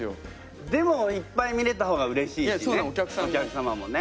でもいっぱい見れた方がうれしいしねお客様もね。